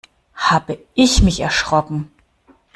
Habe ich mich erschrocken!